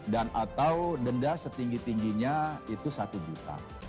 dan atau denda setinggi tingginya itu satu juta